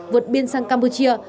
vượt biên sang campuchia